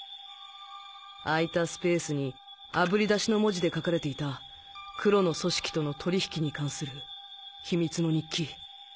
空いたスペースにあぶり出しの文字で書かれていた黒の組織との取引に関する秘密の日記。